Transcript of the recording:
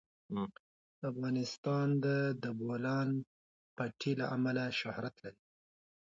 افغانستان د د بولان پټي له امله شهرت لري.